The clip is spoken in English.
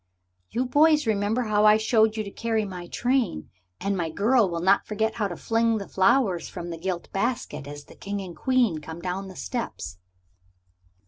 "you boys remember how I showed you to carry my train. And my girl will not forget how to fling the flowers from the gilt basket as the King and Queen come down the steps."